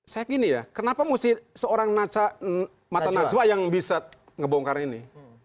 saya gini ya kenapa mesti seorang mata najwa yang bisa ngebongkar ini